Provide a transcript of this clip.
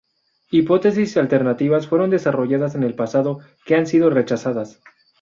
Hipótesis alternativas fueron desarrolladas en el pasado que han sido rechazadas.